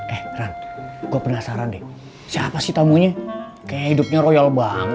eh ran kok penasaran deh siapa sih tamunya kayak hidupnya royal banget